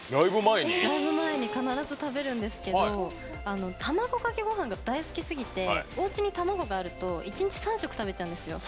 ライブ前に必ず食べるんですけど卵かけごはんが大好きすぎておうちに卵があると１日３食食べちゃうんですよ。